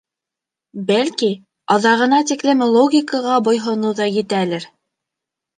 Бәлки, аҙағына тиклем логикаға буйһоноу ҙа етәлер.